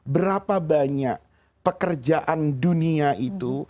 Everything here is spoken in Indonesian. berapa banyak pekerjaan dunia itu